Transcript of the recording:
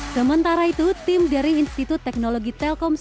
sementara itu tim dari institut teknologi telkomsel